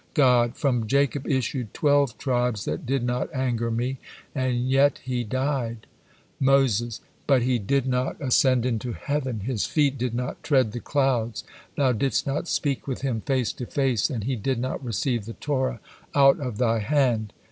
God: "From Jacob issued twelve tribes that did not anger Me, and ye he died." Moses: "But he did not ascend into heaven, his feet did not tread the clouds, Thou didst not speak with him face to face, and he did not receive the Torah out of Thy hand."